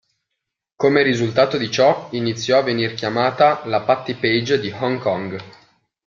Come risultato di ciò, iniziò a venir chiamata "la Patti Page di Hong Kong".